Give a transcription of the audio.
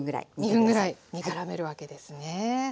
２分ぐらい煮からめるわけですね。